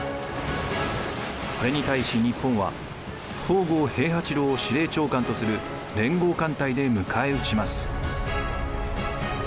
これに対し日本は東郷平八郎を司令長官とする連合艦隊で迎え撃ちます。